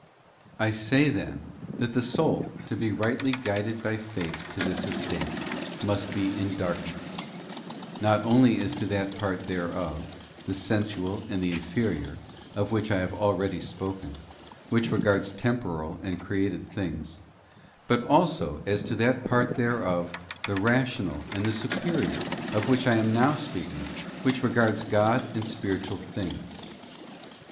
I say, then, that the soul, to be rightly guided by faith to this estate, must be in darkness, not only as to that part thereof—the sensual and the inferior, of which I have already spoken—which regards temporal and created things, but also as to that part thereof, the rational and the superior, of which I am now speaking, which regards God and spiritual things.